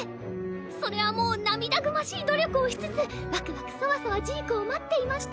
それはもう涙ぐましい努力をしつつワクワクソワソワジークを待っていました。